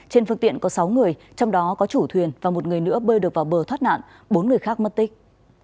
trên phương tiện có sáu người trong đó có chủ thuyền và một người nữa bơi được vào bờ thoát nạn bốn người khác mất tích